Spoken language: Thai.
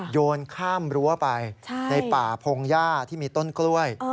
โยนข้ามรั้วไปในป่าพงหญ้าที่มีต้นกล้วย